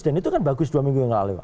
dan itu kan bagus dua minggu yang lalu